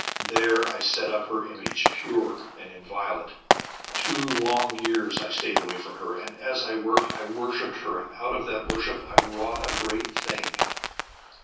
There I set up her image, pure and inviolate. Two long years I stayed away from her, and as I worked, I worshipped her, and out of that worship I wrought a great thing.